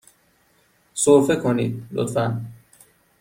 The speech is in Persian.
سرفه کنید، لطفاً.